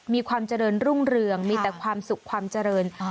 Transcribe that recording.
มีความเจริญรุ่งเรืองมีแต่ความสุขความเจริญ